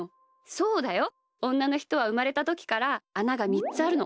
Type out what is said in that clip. そうだよ。おんなのひとはうまれたときからあなが３つあるの。